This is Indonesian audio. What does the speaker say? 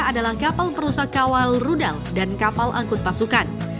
adalah kapal perusak kawal rudal dan kapal angkut pasukan